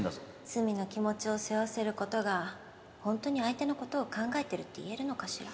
罪の気持ちを背負わせることがほんとに相手のことを考えてるって言えるのかしら。